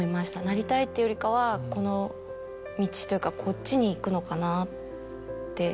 なりたいっていうよりかはこの道というかこっちにいくのかなって。